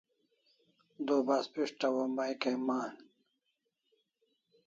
Du bas pishtaw o mai kai aman